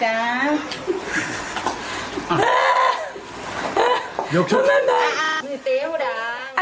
ดาวลุงยี่แม่ทำเองดีกว่าลูกค่ะ